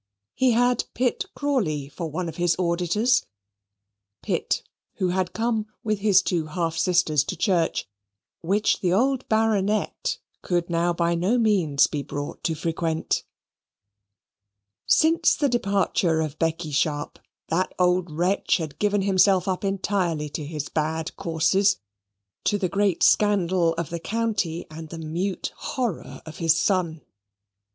He had Pitt Crawley for one of his auditors Pitt, who had come with his two half sisters to church, which the old Baronet could now by no means be brought to frequent. Since the departure of Becky Sharp, that old wretch had given himself up entirely to his bad courses, to the great scandal of the county and the mute horror of his son.